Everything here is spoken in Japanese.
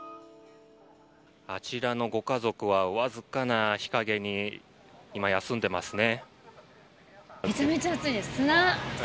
あちらのご家族はわずかな日陰に今、休んでますね。